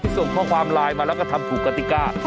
ส่งข้อความไลน์มาแล้วก็ทำถูกกติกา